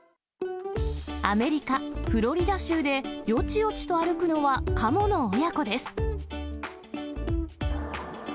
アメリカ・フロリダ州で、よちよちと歩くのはカモの親子です。